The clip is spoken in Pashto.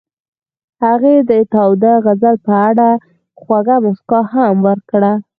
هغې د تاوده غزل په اړه خوږه موسکا هم وکړه.